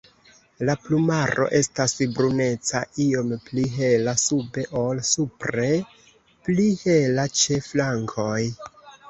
La plumaro estas bruneca, iom pli hela sube ol supre, pli hela ĉe flankoj.